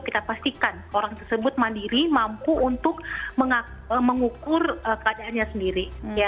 kita pastikan orang tersebut mandiri mampu untuk mengukur keadaannya sendiri